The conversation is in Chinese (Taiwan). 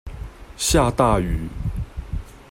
下大雨